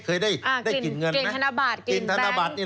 กางเขนธนบาทเกงรินเต๊งเณีนเหรียญ